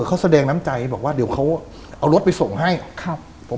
เขาแสดงน้ำใจบอกว่าเดี๋ยวเขาเอารถไปส่งให้ครับผม